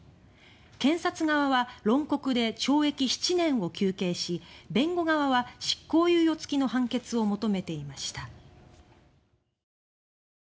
検察側は論告で懲役７年を求刑し弁護側は執行猶予付きの判決を求めていました。